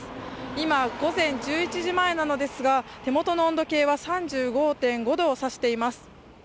今、午前１１時前なのですが手元の温度計は３５．５度を指しています